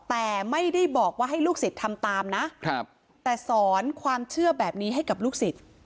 แต่ไม่ได้บอกว่าให้ลูกศิษย์ทำตามนะแต่สอนความเชื่อแบบนี้ให้กับลูกศิษย์